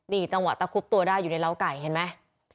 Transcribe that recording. นี่จังหวะตะคุบตัวได้อยู่ในร้าวไก่เห็นไหม